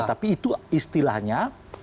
tapi itu istilahnya